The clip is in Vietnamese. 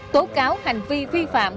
tố cáo hành vi vi phạm